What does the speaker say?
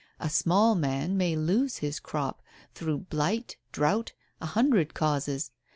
A small man may lose his crop through blight, drought, a hundred causes.